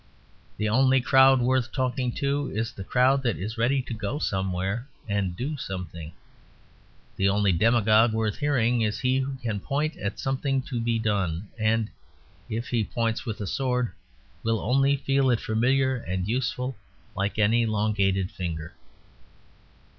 The only crowd worth talking to is the crowd that is ready to go somewhere and do something; the only demagogue worth hearing is he who can point at something to be done: and, if he points with a sword, will only feel it familiar and useful like an elongated finger.